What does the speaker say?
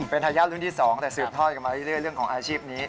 เป็นทายาทรุ่นที่๒แต่สืบทอดกันมาเรื่อยเรื่องของอาชีพนี้